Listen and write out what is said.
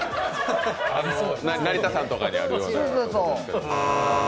成田山とかにあるような。